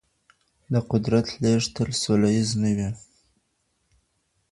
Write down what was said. د قدرت لېږد تل سوله یيز نه وي.